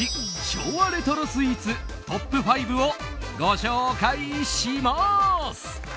昭和レトロスイーツトップ５をご紹介します。